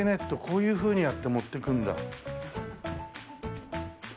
こういうふうにやって持っていくんだ。